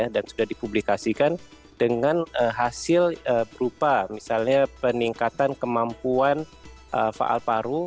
dan sudah dipublikasikan dengan hasil berupa misalnya peningkatan kemampuan faal paru